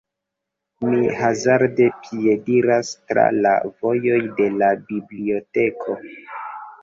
Mi hazarde piediras tra la vojoj de la biblioteko.